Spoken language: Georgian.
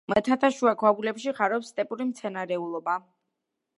მთათაშუა ქვაბულებში ხარობს სტეპური მცენარეულობა.